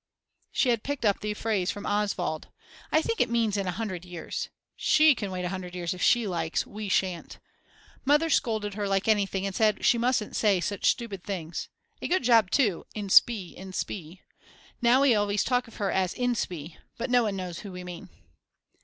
She had picked up the phrase from Oswald. I think it means in a hundred years. She can wait a hundred years if she likes, we shan't. Mother scolded her like anything and said she mustn't say such stupid things. A good job too; in spee, in spee. Now we always talk of her as Inspee, but no one knows who we mean.